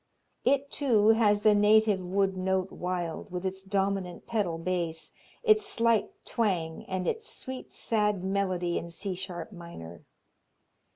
It, too, has the "native wood note wild," with its dominant pedal bass, its slight twang and its sweet sad melody in C sharp minor.